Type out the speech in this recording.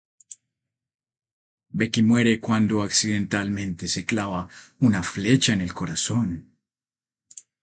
Becky muere cuando accidentalmente se clava una flecha en el corazón.